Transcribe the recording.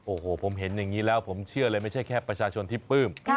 โอ้โหผมเห็นอย่างนี้แล้วผมเชื่อเลยไม่ใช่แค่ประชาชนที่ปลื้ม